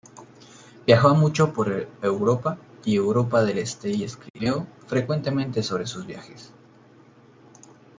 Viajó mucho por Europa y Europa del Este y escribió, frecuentemente sobre sus viajes.